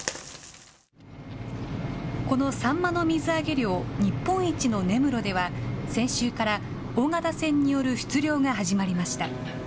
このサンマの水揚げ量日本一の根室では、先週から大型船による出漁が始まりました。